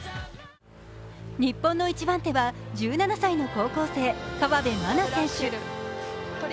日本の一番手は１７歳の高校生、河辺愛菜選手。